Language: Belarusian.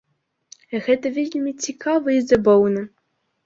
Гэта вельмі цікава і забаўна.